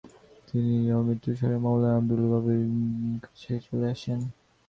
তিনি অমৃতসরে মাওলানা আবদুল্লাহ গজনভীর কাছে চলে আসেন।